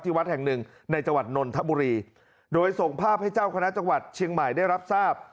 วัดแห่งหนึ่งในจังหวัดนนทบุรีโดยส่งภาพให้เจ้าคณะจังหวัดเชียงใหม่ได้รับทราบ